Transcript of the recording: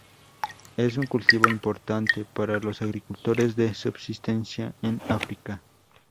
Es un cultivo importante para los agricultores de subsistencia en África.